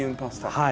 はい。